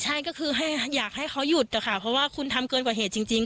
ใช่ก็คืออยากให้เขาหยุดนะคะเพราะว่าคุณทำเกินกว่าเหตุจริง